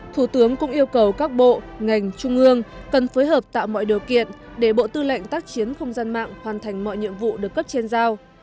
thủ tướng cũng yêu cầu các bộ ngành trung ương cần phối hợp tạo mọi điều kiện để bộ tư lệnh tác chiến không gian mạng hoàn thành mọi nhiệm vụ được cấp trên giao